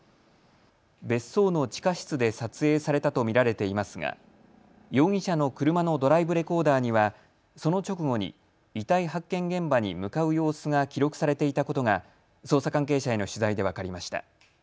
別荘の地下室で撮影されたと見られていますが容疑者の車のドライブレコーダーにはその直後に遺体発見現場に向かう様子が記録されていたことが捜査関係者への取材で分かりました。